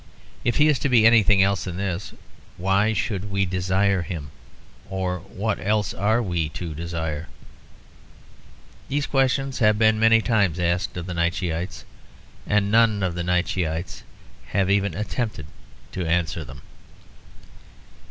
If he is to be anything else than this, why should we desire him, or what else are we to desire? These questions have been many times asked of the Nietzscheites, and none of the Nietzscheites have even attempted to answer them.